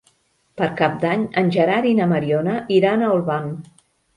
Per Cap d'Any en Gerard i na Mariona iran a Olvan.